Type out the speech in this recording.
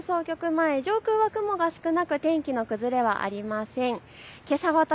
前、上空は雲が少なく天気の崩れはありません。